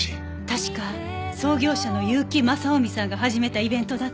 確か創業者の結城正臣さんが始めたイベントだと。